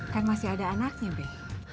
kan masih ada anaknya be